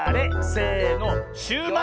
せのシューマイ！